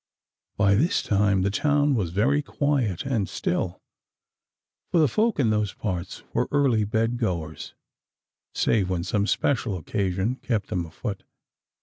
By this time the town was very quiet and still, for the folk in those parts were early bed goers, save when some special occasion kept them afoot.